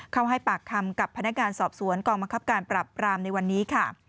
ให้ปากคำกับพนักงานสอบสวนกองบังคับการปรับปรามในวันนี้ค่ะ